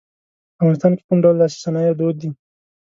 په افغانستان کې کوم ډول لاسي صنایع دود دي.